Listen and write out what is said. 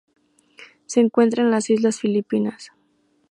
Se encuentra en las Islas Filipinas.